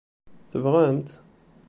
Tebɣam-tt?